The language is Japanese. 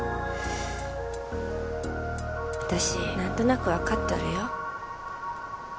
私何となく分かっとるよ